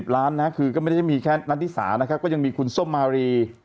ล้านนะคือก็ไม่ได้มีแค่นัทธิสานะครับก็ยังมีคุณส้มมารี